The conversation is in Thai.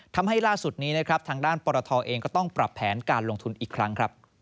ทำให้ล่าสุดนี้นะครับทางด้านปรทเองก็ต้องปรับแผนการลงทุนอีกครั้งครับ